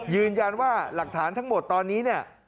ยืนยันว่าหลักฐานทั้งหมดตอนนี้เนี่ย